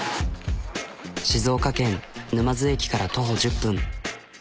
静岡県沼津駅から徒歩１０分。